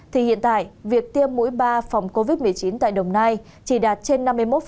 thì hiện tại việc tiêm mũi ba phòng covid một mươi chín tại đồng nai chỉ đạt trên năm mươi một